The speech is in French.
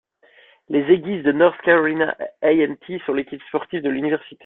Les Aggies de North Carolina A&T sont l'équipe sportive de l'université.